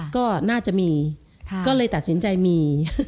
ก็น่าจะมีก็เลยตัดสินใจมี